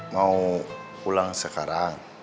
mau pulang sekarang